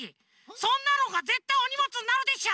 そんなのはぜったいおにもつになるでしょ！